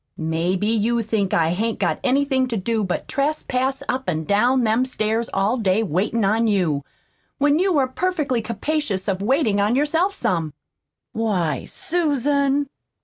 "Maybe you think I hain't got anything to do but trespass up an' down them stairs all day waitin' on you, when you are perfectly capacious of waitin' on yourself SOME." "Why, SUSAN!"